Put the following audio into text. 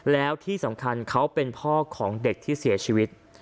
แล้วที่สำคัญเขาเป็นพ่อของเด็กที่เสียชีวิต